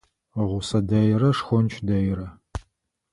Гъусэ дэйрэ, шхонч дэйрэ.